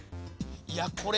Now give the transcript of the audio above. いやこれ。